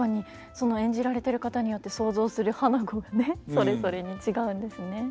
その演じられてる方によって想像する花子がねそれぞれに違うんですね。